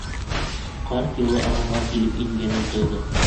Ҡарт йылы ағымға килеп ингәнен тойҙо.